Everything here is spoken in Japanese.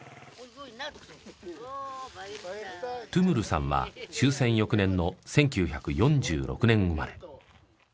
トゥムルさんは終戦翌年の１９４６年生まれ。